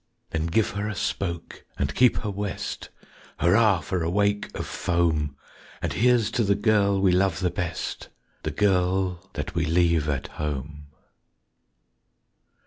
_Then give her a spoke and keep her west, Hurrah for a wake of foam! And here's to the girl we love the best The girl that we leave at home.